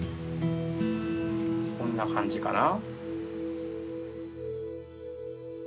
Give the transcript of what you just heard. こんな感じかな？